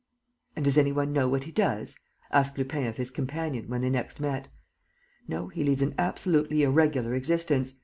"And does any one know what he does?" asked Lupin of his companion, when they next met. "No, he leads an absolutely irregular existence.